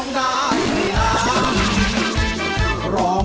ร้องได้ให้ร้าง